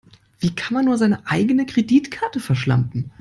Wie kann man nur seine eigene Kreditkarte verschlampen?